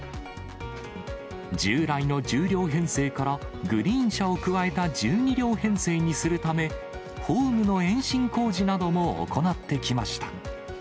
従来の１０両編成からグリーン車を加えた１２両編成にするため、ホームの延伸工事なども行ってきました。